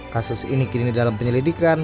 kasus ini kini dalam penyelidikan